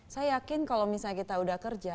saya yakin kalau misalnya kita udah kerja